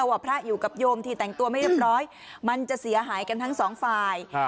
ว่าพระอยู่กับโยมที่แต่งตัวไม่เรียบร้อยมันจะเสียหายกันทั้งสองฝ่าย